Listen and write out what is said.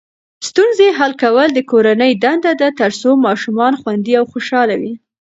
ستونزې حل کول د کورنۍ دنده ده ترڅو ماشومان خوندي او خوشحاله وي.